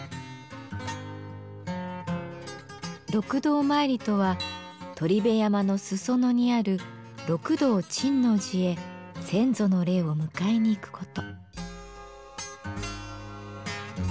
六道まいりとは鳥辺山の裾野にある六道珍皇寺へ先祖の霊を迎えに行く事。